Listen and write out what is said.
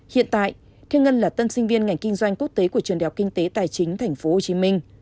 hiện tại thiên ngân là tân sinh viên ngành kinh doanh quốc tế của trường đại học kinh tế tài chính tp hcm